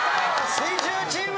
水１０チーム。